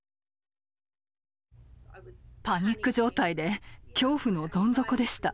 パニック状態で恐怖のどん底でした。